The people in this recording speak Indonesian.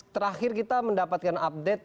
terakhir kita mendapatkan update